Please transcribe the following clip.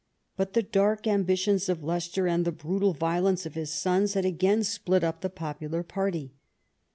But the dark ambi tions of Leicester and the brutal violence of his sons had again split up the popular party.